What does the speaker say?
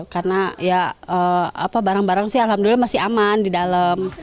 karena barang barang sih alhamdulillah masih aman di dalam